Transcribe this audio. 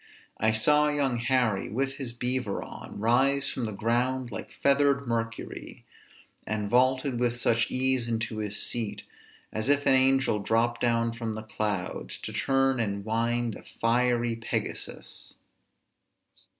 I saw young Harry with his beaver on Rise from the ground like feathered Mercury; And vaulted with such ease into his seat, As if an angel dropped down from the clouds To turn and wind a fiery Pegasus."